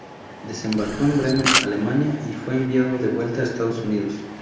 Desembarcó en Bremen, Alemania, y fue enviado de vuelta a Estados Unidos.